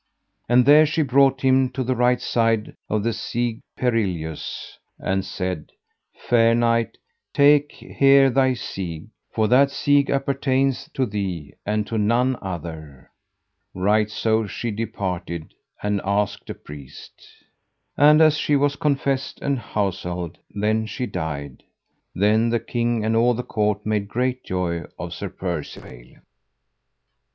And there she brought him to the right side of the Siege Perilous, and said, Fair knight, take here thy siege, for that siege appertaineth to thee and to none other. Right so she departed and asked a priest. And as she was confessed and houselled then she died. Then the king and all the court made great joy of Sir Percivale.